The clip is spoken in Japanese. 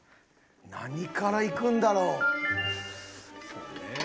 何からいくんだろう？